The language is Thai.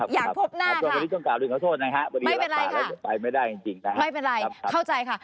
อยากพบหน้าค่ะไม่เป็นไรค่ะไม่เป็นไรเข้าใจค่ะ